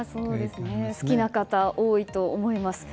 好きな方多いと思います。